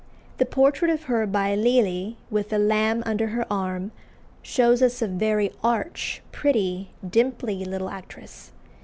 The portrait of her by Lely, with the lamb under her arm, shows us a very arch, pretty, dimply little actress.